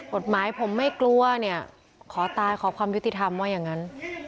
กฎหมายผมไม่กลัวเนี่ยขอตายขอความยุติธรรมว่าอย่างนั้น